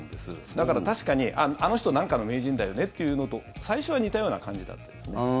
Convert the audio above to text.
だから確かに、あの人なんかの名人だよねっていうのと最初は似たような感じだったんです。